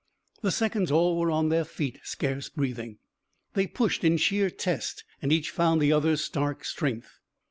The seconds all were on their feet, scarce breathing. They pushed in sheer test, and each found the other's stark strength.